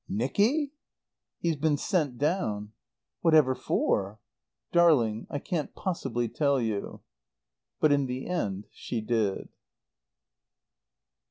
"Nicky?" "He's been sent down." "Whatever for?" "Darling, I can't possibly tell you." But in the end she did.